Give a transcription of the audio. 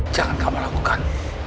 jangan kamu lakukan